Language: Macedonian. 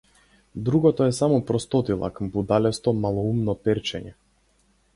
Другото е само простотилак, будалесто, малоумно перчење.